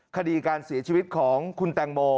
คดีการเสียชีวิตของคุณแตงโม